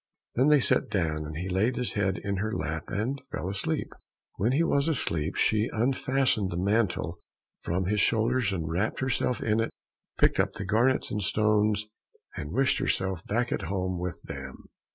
Then they sat down, and he laid his head in her lap, and fell asleep. When he was asleep, she unfastened the mantle from his shoulders, and wrapped herself in it, picked up the garnets and stones, and wished herself back at home with them.